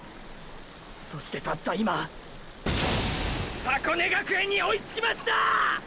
そしてたった今箱根学園に追いつきましたァ！！